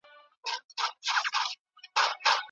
پانګوال د نويو تخنيکونو په لټه کي وو.